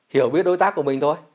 hiểu biết đối tác của mình thôi